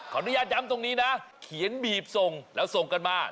อนุญาตย้ำตรงนี้นะเขียนบีบส่งแล้วส่งกันมา